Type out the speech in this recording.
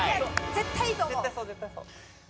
絶対あると思う！